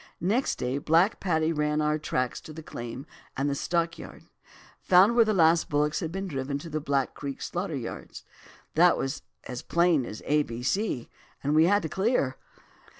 Next day Black Paddy ran our tracks to the claim and the stockyard, found where the last bullocks had been driven to the Back Creek slaughter yards. That was as plain as A B C, and we had to clear.